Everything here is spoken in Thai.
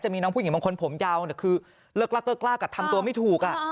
มีน้องผู้หญิงบางคนผมยาวคือเลิกลากเลิกลากทำตัวไม่ถูก